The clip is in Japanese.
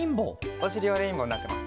おしりはレインボーになってます。